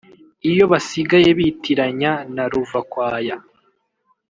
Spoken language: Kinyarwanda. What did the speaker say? Iyo basigaye bitiranya na ruva-kwaya,